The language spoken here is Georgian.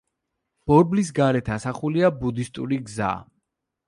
ბორბლის გარეთ ასახულია ბუდისტური გზა.